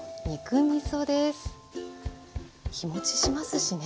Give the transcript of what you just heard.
日もちしますしね。